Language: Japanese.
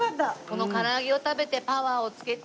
この唐揚げを食べてパワーをつけて。